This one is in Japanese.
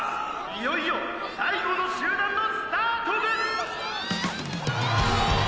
いよいよ最後の集団のスタートです！！